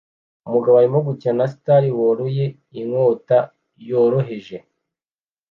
Umugabo arimo gukina na Star Wars ye inkota yoroheje